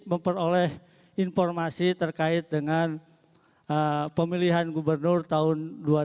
memperoleh informasi terkait dengan pemilihan gubernur tahun dua ribu dua puluh